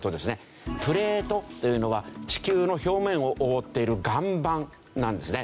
プレートというのは地球の表面を覆っている岩盤なんですね。